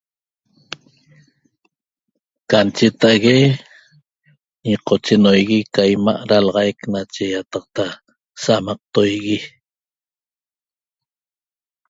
Can cheta'ague ñiqochenoigui ca 'ima' dalaxaic nache ýataqta sa'amaqtoigui